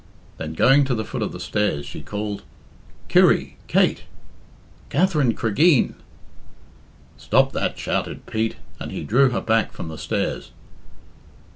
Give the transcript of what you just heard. Then going to the foot of the stairs, she called, "Kirry! Kate! Katherine Cregeen!" "Stop that!" shouted Pete, and he drew her back from the stairs.